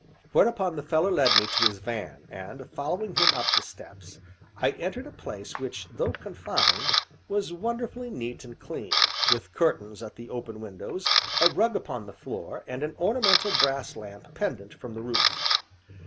Whereupon the fellow led me to his van, and, following him up the steps, I entered a place which, though confined, was wonderfully neat and clean, with curtains at the open windows, a rug upon the floor, and an ornamental brass lamp pendent from the roof.